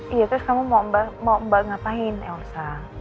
iya terus kamu mau mbak ngapain elsa